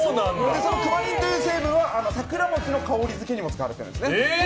そのクマリンという成分は桜餅の香りづけにも使われているんです。